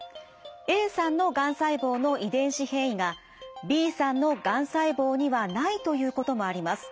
Ａさんのがん細胞の遺伝子変異がＢさんのがん細胞にはないということもあります。